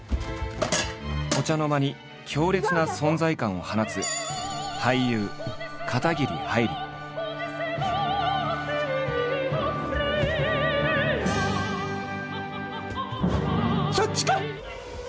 お茶の間に強烈な存在感を放つそっちか！